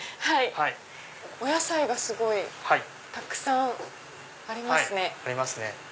お野菜がすごいたくさんありますね。